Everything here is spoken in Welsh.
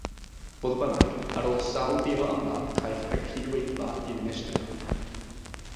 Fodd bynnag, ar ôl sawl dydd o ymladd, caiff y Cydweithfa ei ddinistrio.